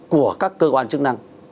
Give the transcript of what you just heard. của các cơ quan chức năng